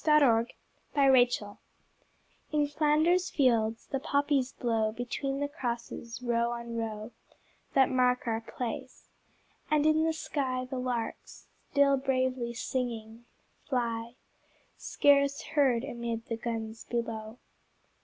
L.} IN FLANDERS FIELDS In Flanders fields the poppies grow Between the crosses, row on row That mark our place: and in the sky The larks still bravely singing, fly Scarce heard amid the guns below.